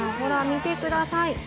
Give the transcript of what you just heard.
見てください